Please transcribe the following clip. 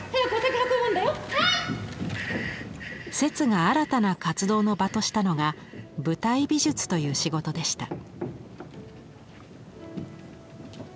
摂が新たな活動の場としたのが舞台美術という仕事でした。